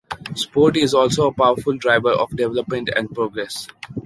Sport is also a powerful driver of development and progress.